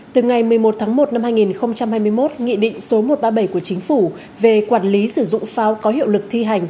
từ ngày một mươi một tháng một năm hai nghìn hai mươi một nghị định số một trăm ba mươi bảy của chính phủ về quản lý sử dụng pháo có hiệu lực thi hành